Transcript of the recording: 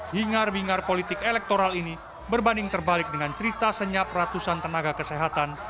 hingar bingar politik elektoral ini berbanding terbalik dengan cerita senyap ratusan tenaga kesehatan